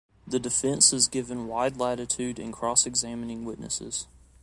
The defense is given wide latitude in cross-examining witnesses.